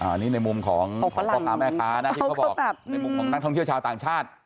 อันนี้ในมุมของพ่อค้าแม่ค้านะที่เขาบอกในมุมของนักท่องเที่ยวชาวต่างชาติ